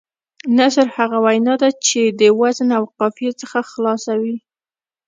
نثر هغه وینا ده، چي د وزن او قافيې څخه خلاصه وي.